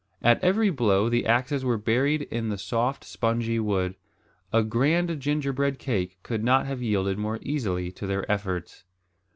At every blow the axes were buried in the soft spongy wood. A grand gingerbread cake could not have yielded more readily to their efforts.